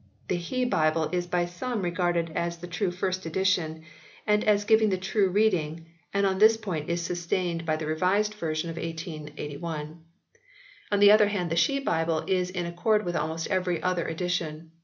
The " He " Bible is by some regarded as the true first edition, and as giving the true reading, and on this point is sustained by the 110 HISTORY OF THE ENGLISH BIBLE [OH. Revised Version of 1881. On the other hand the "She 37 Bible is in accord with almost every other edition.